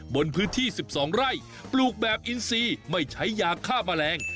บนพื้นที่๑๒ไร่ปลูกแบบอินซีไม่ใช้ยาฆ่าแมลง